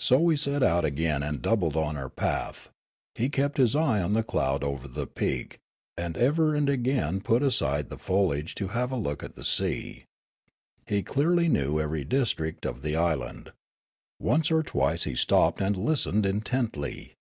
So we set out again and doubled on our path ; he kept his eye on the cloud over the peak, and ever and again put aside the foliage to have a look at the sea. He clearl}^ knew ever}' district of the island. Once or twice he stopped and listened intently.